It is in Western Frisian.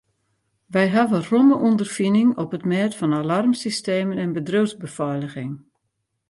Wy hawwe romme ûnderfining op it mêd fan alarmsystemen en bedriuwsbefeiliging.